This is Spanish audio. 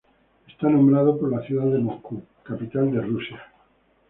Está nombrado por la ciudad de Moscú, capital de Rusia.